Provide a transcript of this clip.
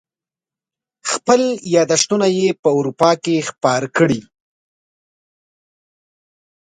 خپل یاداشتونه یې په اروپا کې خپاره کړي.